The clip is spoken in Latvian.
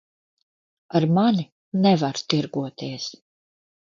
Ar mani nevar tirgoties.